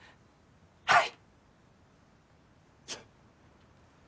はい！